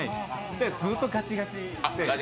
ずーっとガチガチで。